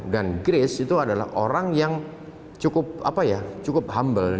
dan grace itu adalah orang yang cukup humble